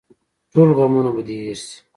ټول غمونه به دې هېر شي.